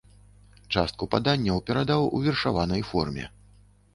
Частку паданняў перадаў у вершаванай форме.